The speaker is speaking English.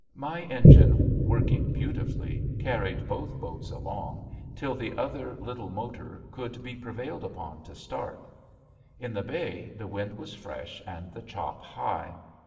My engine working beautifully carried both boats along till the other little motor could be prevailed upon to start. In the bay the wind was fresh and the chop high.